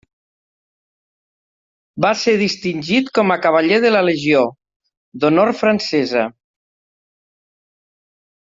Va ser distingit com a cavaller de la Legió d'Honor francesa.